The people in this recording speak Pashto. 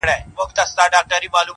یاران به خوښ وي رقیب له خوار وي -